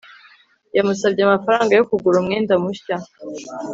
Yamusabye amafaranga yo kugura umwenda mushya